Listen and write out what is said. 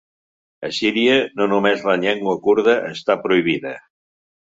A Síria, no només la llengua kurda està prohibida.